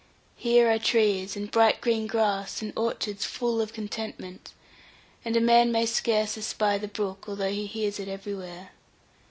Here are trees, and bright green grass, and orchards full of contentment, and a man may scarce espy the brook, although he hears it everywhere.